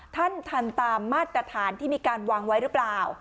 ท่านทำตามมาตรฐานที่มีการวางไว้หรือเปล่า